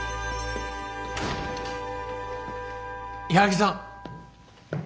矢作さん。